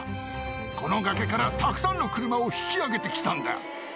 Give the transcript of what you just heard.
この崖からたくさんの車を引き上げてきたんだ。